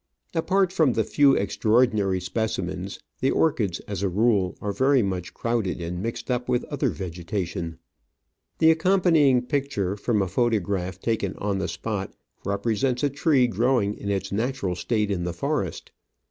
Apart from the few extraordinary specimens, the orchids, as a rule, are very much crowded and mixed up with other vegeta tion. The accompanying picture, from a photograph taken on the spot, represents a tree growing in its natural state in the forest.